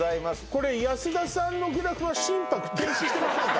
これ保田さんのグラフはしてませんか？